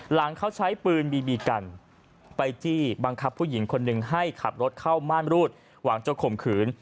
หลังเขาใช้ปืนบีบีกันไปจี้บังคับผู้หญิงคนหนึ่งให้ขับรถเข้าม่านรูดหวังจะข่มขืน